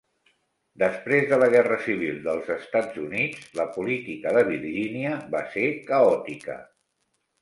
Després de la Guerra Civil dels Estats Units, la política de Virgínia va ser caòtica.